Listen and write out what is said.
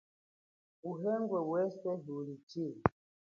Uhenge weswe uli chili.